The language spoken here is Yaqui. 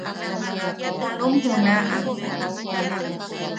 –Junum junaʼa.